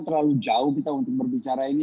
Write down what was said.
terlalu jauh kita untuk berbicara ini